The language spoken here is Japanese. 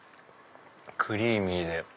クリーミーで。